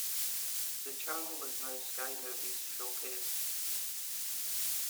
The channel is now Sky Movies Showcase.